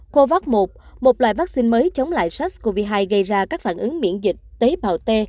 covax một một loại vaccine mới chống lại sars cov hai gây ra các phản ứng miễn dịch tế bào t